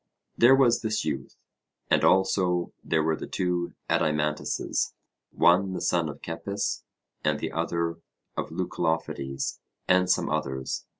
There was this youth, and also there were the two Adeimantuses, one the son of Cepis, and the other of Leucolophides, and some others.